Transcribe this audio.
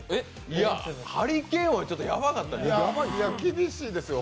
いや、ハリケーンはちょっとやばかったでしょ。